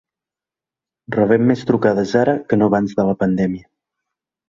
Rebem més trucades ara que no abans de la pandèmia.